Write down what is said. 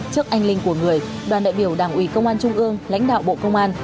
trước anh linh của người đoàn đại biểu đảng ủy công an trung ương lãnh đạo bộ công an